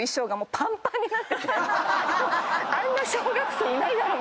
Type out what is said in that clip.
あんな小学生いないだろ！